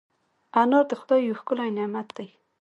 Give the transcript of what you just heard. انار د خدای یو ښکلی نعمت دی.